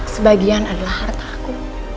sebagian adalah harta aku